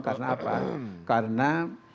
karena apa karena